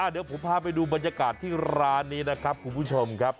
เดี๋ยวผมพาไปดูบรรยากาศที่ร้านนี้นะครับคุณผู้ชมครับ